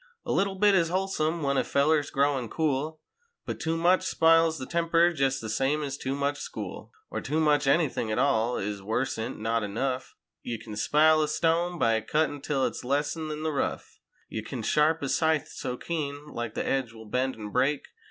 A little bit is wholesome when a feller's growin' cool But too much spiles the temper jest the same ez too much school. Or too much anything at all, is worse'n not enough: Ye kin spile a stone by cuttin' 'till it's less'n in the rough; Ye kin sharp a scythe so keen—like that the edge will bend an' break.